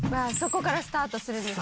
そこからスタートする。